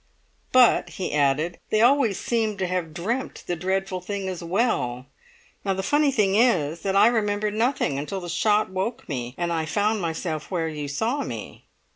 "But," he added, "they always seem to have dreamt the dreadful thing as well. Now, the funny thing is that I remember nothing until the shot woke me and I found myself where you saw me."